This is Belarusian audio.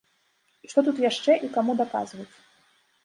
І што тут яшчэ і каму даказваць?